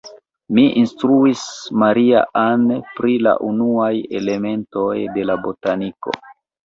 Mi instruis Maria-Ann pri la unuaj elementoj de la botaniko.